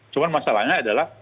cuma masalahnya adalah